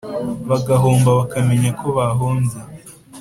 bagahomba bakamenya ko bahombye